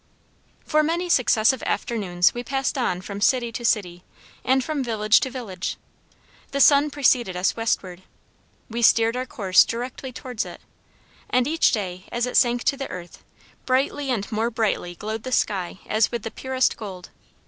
For many successive afternoons we passed on from city to city, and from village to village. The sun preceded us westward; we steered our course directly towards it, and each day as it sank to the earth, brightly and more brightly glowed the sky as with the purest gold.